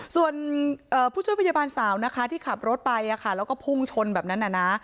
ส่วนผู้ช่วยพยาบาลสาวนะคะที่ขับรถไปแล้วก็พุ่งชนแบบนั้นน่ะนะ